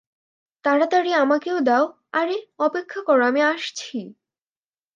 তাড়াতাড়ি আমাকেও দাও, আরে, অপেক্ষা কর আমি আসছি।